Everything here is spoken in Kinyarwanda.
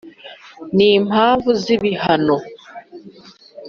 n impamvu z ibihano